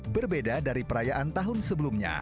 berbeda dari perayaan tahun sebelumnya